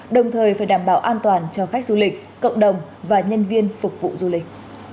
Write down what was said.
đồng thời phải đảm bảo an toàn cho khách du lịch cộng đồng và nhân viên phục vụ du lịch